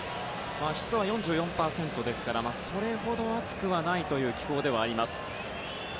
湿度は４４％ですからそれほど暑くはないという気候ではあります。